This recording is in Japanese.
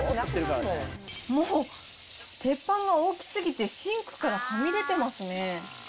もう、鉄板が大きすぎてシンクからはみ出てますね。